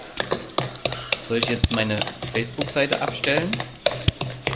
Soll ich jetzt meine Facebookseite abstellen?